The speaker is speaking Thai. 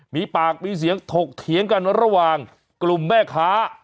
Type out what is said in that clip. มีปากมีเสียงถกเถียงกันระหว่างกลุ่มแม่ค้า